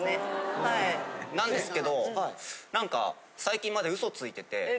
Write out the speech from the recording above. なんですけど何か最近まで嘘ついてて。